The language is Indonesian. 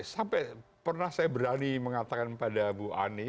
sampai pernah saya berani mengatakan pada bu ani